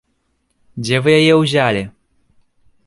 Дзе вы яе ўзялі?